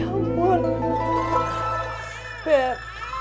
aku jahat banget beb